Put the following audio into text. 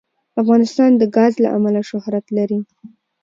افغانستان د ګاز له امله شهرت لري.